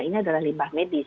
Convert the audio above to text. ini adalah limbah medis